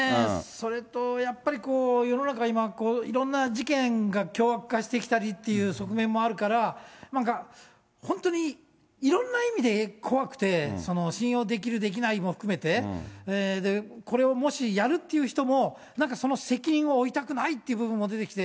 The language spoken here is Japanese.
それとやっぱり世の中今、いろんな事件が凶悪化してきたりっていう側面もあるから、本当にいろんな意味で怖くて、信用できる、できないも含めて、これをもしやるっていう人も、なんかその責任を負いたくないって部分も出てきて。